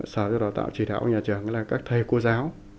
sở cho đào tạo trị thảo của nhà trưởng là các thầy cô giáo